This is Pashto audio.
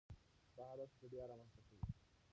دا حالت ستړیا رامنځ ته کوي.